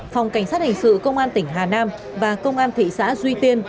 phòng cảnh sát hình sự công an tỉnh hà nam và công an thị xã duy tiên